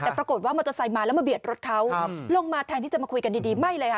แต่ปรากฏว่ามอเตอร์ไซค์มาแล้วมาเบียดรถเขาลงมาแทนที่จะมาคุยกันดีไม่เลยค่ะ